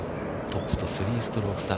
トップと３ストローク差。